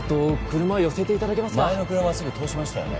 前の車はすぐ通しましたよね。